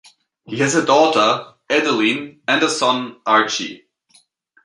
He has a daughter, Edieline, and a son, Archie.